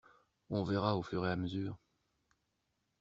On verra au fur et à mesure.